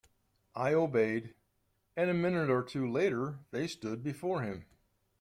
I obeyed, and a minute or two later they stood before him.